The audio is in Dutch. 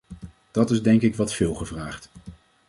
Dat is denk ik wat veel gevraagd.